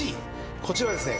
こちらはですね